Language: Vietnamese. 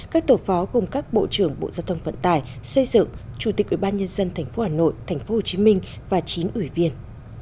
các tổ phó gồm các bộ trưởng bộ giao thông phận tài xây dựng chủ tịch ủy ban nhân dân tp hcm và chín ủy viên